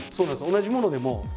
同じものでも。